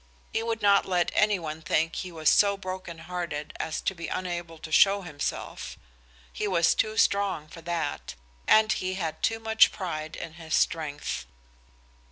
He would not let any one think he was so broken hearted as to be unable to show himself. He was too strong for that, and he had too much pride in his strength.